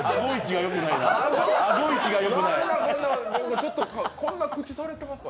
ちょっと、こんな口されてますか？